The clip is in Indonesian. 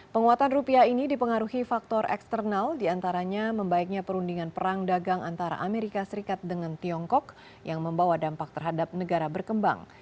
penguatan rupiah ini dipengaruhi faktor eksternal diantaranya membaiknya perundingan perang dagang antara amerika serikat dengan tiongkok yang membawa dampak terhadap negara berkembang